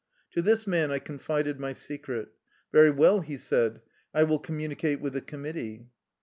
To this man I confided my secret. " Very well/' he said ;" I will communicate with the committee."